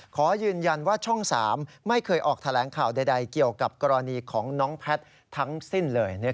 ขอยืนยันว่าช่อง๓ไม่เคยออกแถลงข่าวใดเกี่ยวกับกรณีของน้องแพทย์ทั้งสิ้นเลย